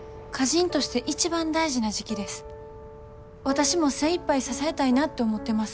私も精いっぱい支えたいなって思ってます。